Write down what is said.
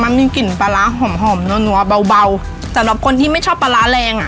มันมีกลิ่นปลาหอมหอมเนื้อเนอร์เบาเบาแต่สำหรับคนที่ไม่ชอบปลาแรงอ่ะ